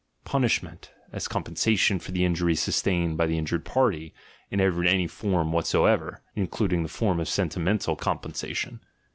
— Punishment, as com pensation for the injury sustained by the injured party, in any form whatsoever (including the form of senti mental compensation).